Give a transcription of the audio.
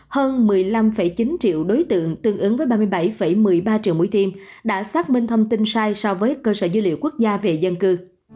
hơn một mươi năm chín triệu đối tượng tương ứng với ba mươi bảy một mươi ba triệu mũi tim đã xác minh thông tin sai so với cơ sở dữ liệu quốc gia về dân cư